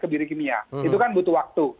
kebiri kimia itu kan butuh waktu